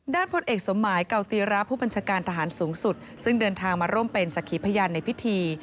พลเอกสมหมายเก่าตีระผู้บัญชาการทหารสูงสุดซึ่งเดินทางมาร่วมเป็นสักขีพยานในพิธี